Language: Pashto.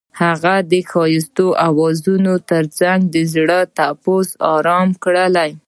هغې د ښایسته اوازونو ترڅنګ د زړونو ټپونه آرام کړل.